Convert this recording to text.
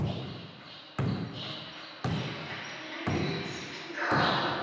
しつこい！